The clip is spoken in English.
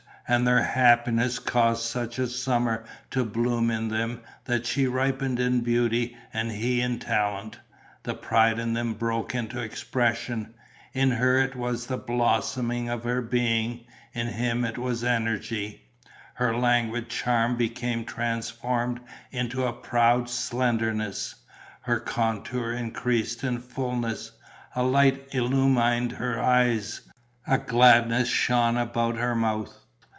And their happiness caused such a summer to bloom in them that she ripened in beauty and he in talent; the pride in them broke into expression: in her it was the blossoming of her being, in him it was energy; her languid charm became transformed into a proud slenderness; her contour increased in fullness; a light illumined her eyes, a gladness shone about her mouth.